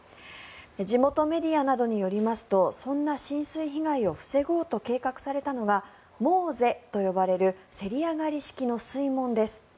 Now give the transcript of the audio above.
地元メディアなどによりますとそんな浸水被害を防ごうと計画されたのがモーゼと呼ばれるせり上がり式の水門です。